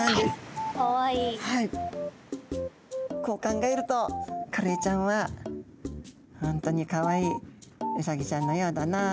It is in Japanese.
こう考えるとカレイちゃんはほんとにかわいいウサギちゃんのようだなと。